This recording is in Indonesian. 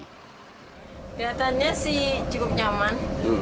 keliatannya sih cukup nyaman